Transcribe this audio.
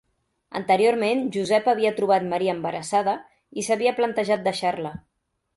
Anteriorment Josep havia trobat Maria embarassada i s'havia plantejat deixar-la.